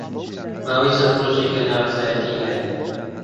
ماوەی چەند ڕۆژێکە ناڕەزایەتی ھەیە